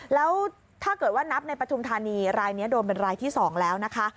แล้วถ้าเกิดว่านับในปฐุมธานีรายนี้โดนเป็นรายที่๒แล้วนะคะ